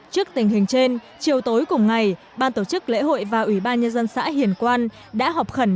trước tình hình trên chiều tối cùng ngày ban tổ chức lễ hội và ủy ban nhân dân xã hiền quan đã họp khẩn